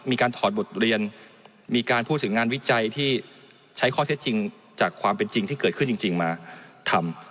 ถอดบทเรียนมีการพูดถึงงานวิจัยที่ใช้ข้อเท็จจริงจากความเป็นจริงที่เกิดขึ้นจริงมาทำ